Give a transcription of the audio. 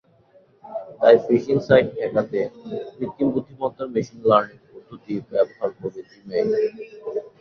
তাই phishing site ঠেকাতে কৃত্রিম বুদ্ধিমত্তার মেশিন লার্নিং পদ্ধতি ব্যবহার করবে জিমেইল।